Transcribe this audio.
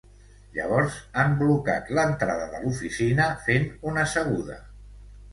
Llavors han blocat l’entrada de l’oficina fent una seguda.